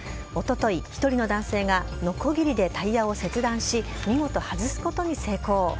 おととい、１人の男性がのこぎりでタイヤを切断し、見事、外すことに成功。